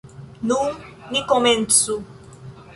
Nun ni komencu.